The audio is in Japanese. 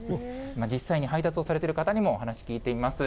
実際に配達をされてる方にも、お話聞いてみます。